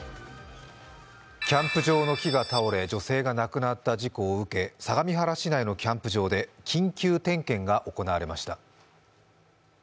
キャンプ場の木が倒れ、女性が亡くなった事故を受け、相模原市内のキャンプ場で緊急点検が行われました。